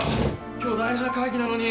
今日大事な会議なのに。